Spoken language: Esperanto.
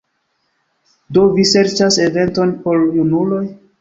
Do vi serĉas eventon por junuloj?